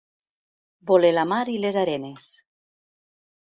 Voler la mar i les arenes.